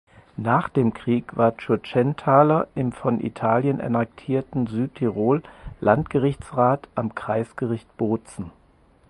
Nach dem Krieg war Tschurtschenthaler im von Italien annektierten Südtirol Landgerichtsrat am Kreisgericht Bozen.